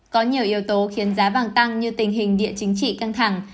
có nhiều yếu tố khiến giá vàng tăng như tình hình địa chính trị căng thẳng